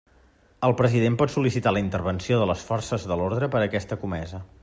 El president pot sol·licitar la intervenció de les forces de l'orde per a aquesta comesa.